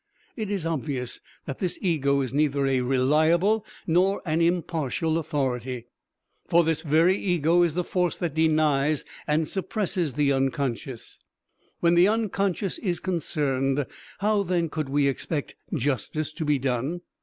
It is obvious that this ego is neither a reliable nor an impartial authority. For this very ego is the force that denies and suppresses the unconscious; when the unconscious is concerned, how then could we expect justice to be done?